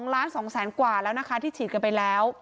๒ล้าน๒แสนกว่าแล้วนะคะที่ฉีดกันไปแล้ว